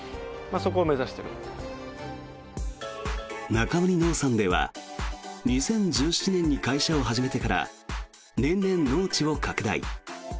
中森農産では２０１７年に会社を始めてから年々農地を拡大。